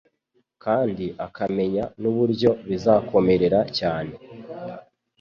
kandi akamenya n'uburyo bizabakomerera cyane